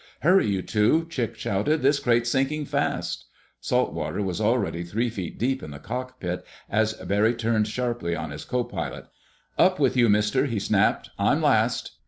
"Hurry, you two!" Chick shouted. "This crate's sinking fast." Salt water was already three feet deep in the cockpit, as Barry turned sharply on his co pilot. "Up with you, Mister!" he snapped. "I'm last!"